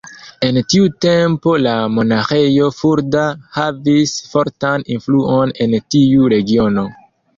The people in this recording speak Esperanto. En tiu tempo la monaĥejo Fulda havis fortan influon en tiu regiono.